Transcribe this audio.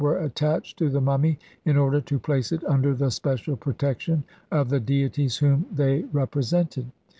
were attached to the mummy in order to place it under the special protection of the deities whom they represented.